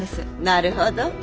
なるほど。